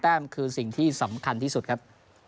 แม้มคือสิ่งที่สำคัญที่สุดครับ